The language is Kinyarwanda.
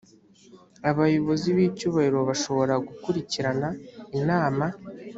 abayobozi b icyubahiro bashobora gukurikirana inama